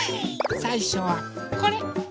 さいしょはこれ。